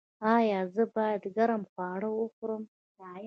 ایا زه باید ګرم خواړه وخورم؟